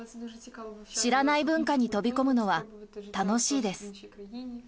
知らない文化に飛び込むのは楽しいです。